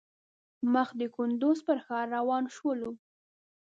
مخ د کندوز پر ښار روان شولو.